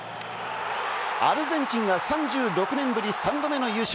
アルゼンチンが３６年ぶり３度目の優勝。